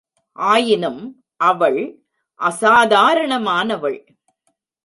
ஆயினும், அவள் அசாதாரணமானவள்.